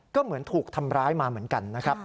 ก็เหมือนถูกทำร้ายมาเหมือนกันนะครับ